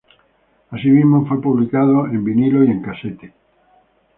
Asimismo, fue publicado en vinilo y en cassette.